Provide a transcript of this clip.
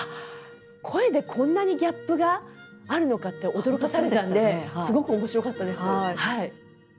声でこんなにギャップがあるのかって驚かされたんですごく面白かったです。